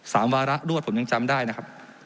วาระรวดผมยังจำได้นะครับ